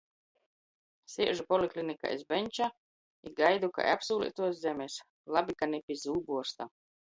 Siežu poliklinikā iz beņča i gaidu kai apsūleituos zemis. Labi, ka ni pi zūbuorsta!